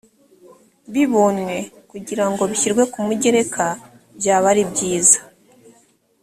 bibonywe kugira ngo bishyirwe ku mugereka byaba ari byiza